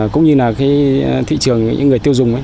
cũng như là cái thị trường những người tiêu dùng ấy